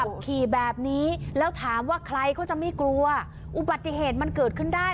ขับขี่แบบนี้แล้วถามว่าใครเขาจะไม่กลัวอุบัติเหตุมันเกิดขึ้นได้